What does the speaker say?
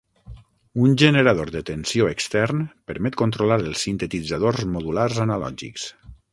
Un generador de tensió extern permet controlar els sintetitzadors modulars analògics.